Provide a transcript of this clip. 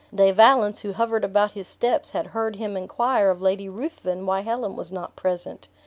De Valence, who hovered about his steps, had heard him inquire of Lady Ruthven why Helen was not present!